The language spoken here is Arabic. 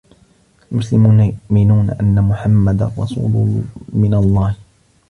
المسلمون يؤمنون أن محمّدا رسول من الله.